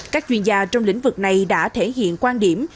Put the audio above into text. các chuyên gia trong lĩnh vực này đã thể hiện quan điểm